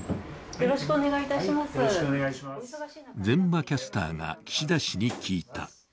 膳場キャスターが岸田氏に聞いた。